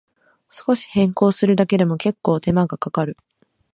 少し変更するだけでも、けっこう手間がかかる